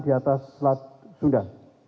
di atas selat sunda